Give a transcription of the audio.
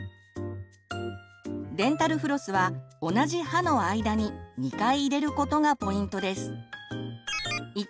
デンタルフロスは同じ歯の間に２回入れることがポイントです。